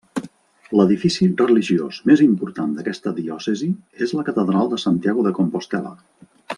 L'edifici religiós més important d'aquesta diòcesi és la catedral de Santiago de Compostel·la.